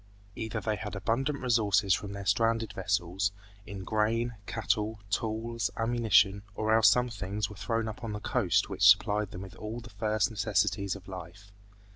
Either they had abundant resources from their stranded vessels, in grain, cattle, tools, ammunition, or else some things were thrown up on the coast which supplied them with all the first necessities of life.